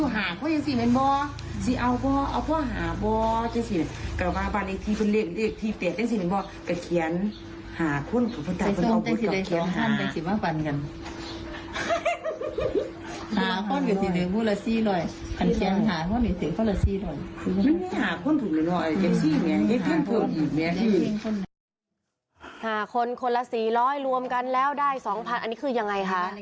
หาคนคนละสี่ร้อยรวมกันแล้วได้สองพันอันนี้คือยังไงฮะ